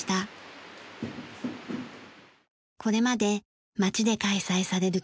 これまで町で開催される